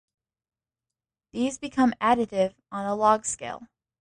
These become additive on a log scale.